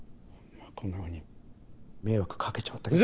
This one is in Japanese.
こんなふうに迷惑かけちまったけど。